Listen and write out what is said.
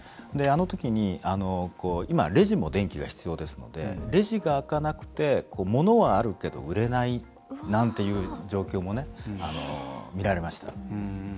あのときに今、レジも電気が必要ですのでレジが開かなくてものはあるけど売れないなんていう状況も見られました。